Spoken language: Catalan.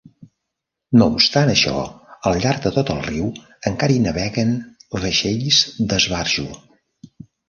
No obstant això, al llarg de tot el riu encara hi naveguen vaixells d'esbarjo.